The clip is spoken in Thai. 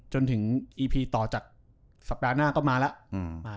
จนถึงอีพีต่อจากสัปดาห์หน้าก็มาแล้ว